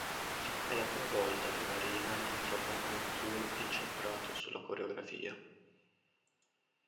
È la prima volta che Marina intraprende un tour incentrato sulla coreografia.